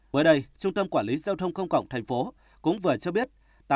mới đây trung tâm quản lý giao thông công cộng thành phố cũng vừa cho biết